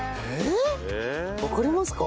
わかりますか？